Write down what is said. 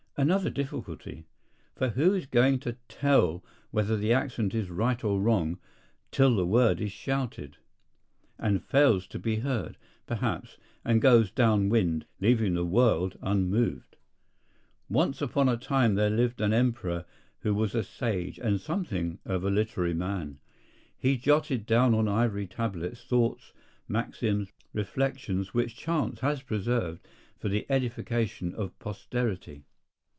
Another difficulty. For who is going to tell whether the accent is right or wrong till the word is shouted, and fails to be heard, perhaps, and goes down wind, leaving the world unmoved? Once upon a time there lived an emperor who was a sage and something of a literary man. He jotted down on ivory tablets thoughts, maxims, reflections which chance has preserved for the edification of posterity.